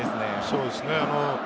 そうですね。